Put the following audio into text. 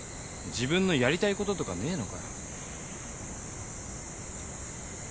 自分のやりたいこととかねえのかよ？